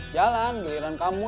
jalan geliran kamu